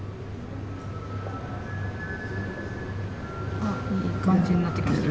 あいい感じになってきました。